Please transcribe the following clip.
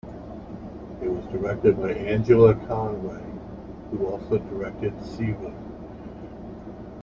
It was directed by Angela Conway, who also directed "Siva".